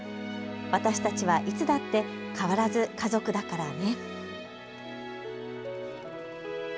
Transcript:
私たちはいつだって変わらず家族だからね。